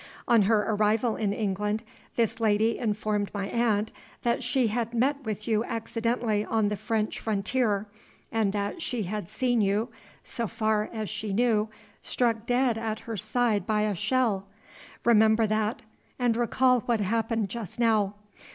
On her arrival in England this lady informed my aunt that she had met with you accidentally on the French frontier, and that she had seen you (so far as she knew) struck dead at her side by a shell. Remember that, and recall what happened just now.